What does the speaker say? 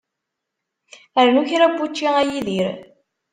Rnu kra n wučči a Yidir.